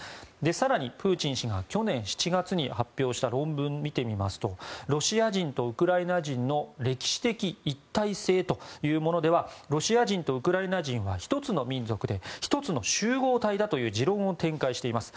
更にプーチン氏が去年７月に発表した論文を見てみますとロシア人とウクライナ人の歴史的一体性というものではロシア人とウクライナ人は１つの民族で１つの集合体だという持論を展開しています。